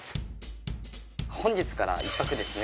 本日から１泊ですね。